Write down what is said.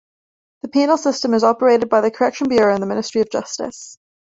The penal system is operated by the Correction Bureau of the Ministry of Justice.